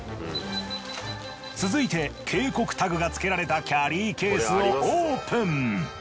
続いて警告タグが付けられたキャリーケースをオープン。